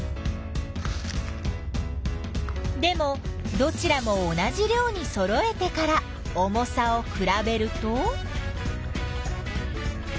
でもどちらも同じ量にそろえてから重さをくらべると？